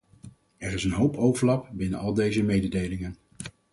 Er is een hoop overlap binnen al deze mededelingen.